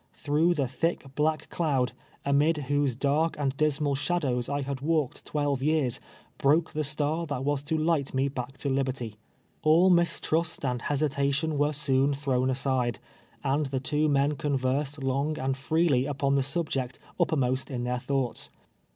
Tlirough the thick, ])]ack cloud, amid M'hose dark and disnuil shadows I had walked twelve years, broke the star that was to liglit me back to liberty. All mis trust and hesitation were soon thrown aside, and the two men conversed long and freely upon the subject uppermost in their thoughts.